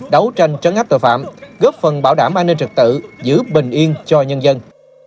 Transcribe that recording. đấu tranh trấn áp tội phạm góp phần bảo đảm an ninh trật tự giữ bình yên cho nhân dân